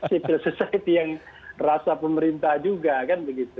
civil society yang rasa pemerintah juga kan begitu